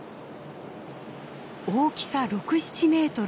大きさ６７メートル。